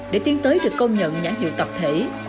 để tiến tới được công nhận nhãn hiệu tập thể